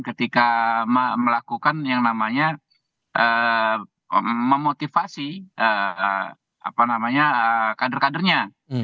ketika melakukan yang namanya memotivasi kader kadernya